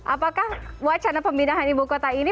apakah wacana pemindahan ibu kota ini